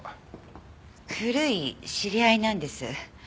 古い知り合いなんです。